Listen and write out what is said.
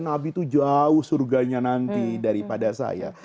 nabi itu jauh surganya nanti daripada saya